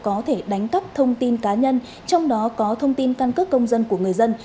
có thể đánh cắp thông tin cá nhân trong đó có thông tin căn cước công dân của người dân